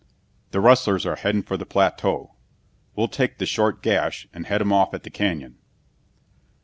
"The rustlers are headin' for the plateau! We'll take the short gash and head 'em off at the canyon!"